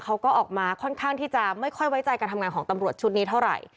เขาก็ออกมาค่อนข้างที่จะไม่ค่อยไว้ใจการทำงานของตำรวจชุดนี้เท่าไหร่